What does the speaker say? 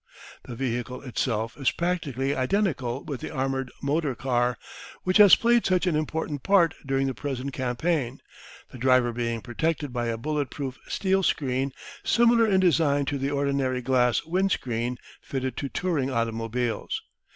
The vehicle itself is practically identical with the armoured motor car, which has played such an important part during the present campaign, the driver being protected by a bullet proof steel screen similar in design to the ordinary glass wind screen fitted to touring automobiles.